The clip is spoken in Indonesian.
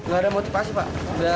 gak ada motivasi pak